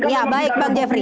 ya baik bang jeffrey